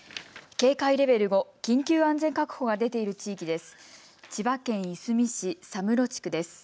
警戒レベル５、緊急安全確保が出ている地域です。